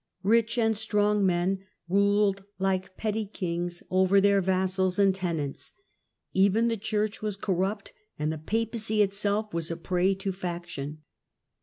Rich and strong men ruled like petty kings over their vassals and tenants. Even the Church was corrupt, and the Papacy itself was a prey to faction.